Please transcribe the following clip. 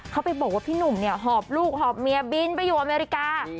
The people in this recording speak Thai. เขาไปบอกว่าพี่หนุ่มเนี่ยหอบลูกหอบเมียบินไปอยู่อเมริกา